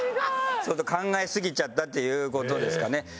ちょっと考えすぎちゃったっていう事ですかね。